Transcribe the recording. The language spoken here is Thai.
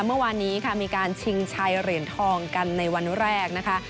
เมื่อวานนี้ค่ะมีการชิงชัยเหรียญทองกันในวันแรกนะคะ